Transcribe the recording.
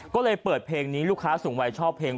ก็เลยเปิดเพลงนี้ลูกค้าสูงวัยชอบเพลง